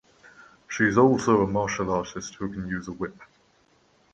She is also a martial artist who can use a whip.